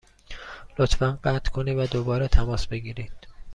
لطفا قطع کنید و دوباره تماس بگیرید.